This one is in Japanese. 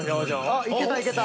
あっいけたいけた。